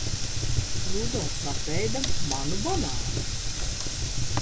R?dolfs ap?da manu ban?nu.